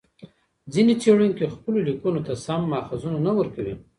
ځیني څېړونکي خپلو لیکنو ته سم ماخذونه نه ورکوي.